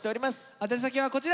宛先はこちら。